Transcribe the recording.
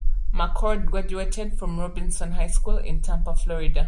McCord graduated from Robinson High School in Tampa, Florida.